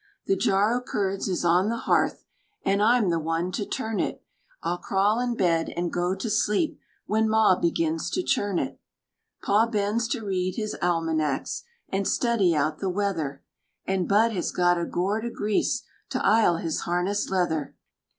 The jar o' curds is on the hearth, An' I'm the one to turn it. I'll crawl in bed an' go to sleep When maw begins to churn it. Paw bends to read his almanax An' study out the weather, An' bud has got a gourd o' grease To ile his harness leather.